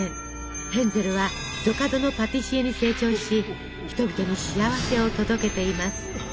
ヘンゼルはひとかどのパティシエに成長し人々に幸せを届けています。